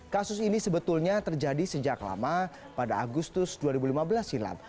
kasus ini sebetulnya terjadi sejak lama pada agustus dua ribu lima belas silam